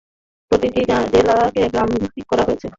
প্রতিটি জেলাকে গ্রামে বিভক্ত করা হয়েছে।